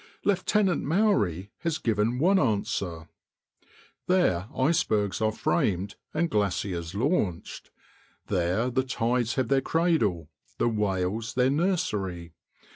Lieutenant Maury has given one answer: "There icebergs are framed and glaciers launched. There the tides have their cradle: the whales their nursery.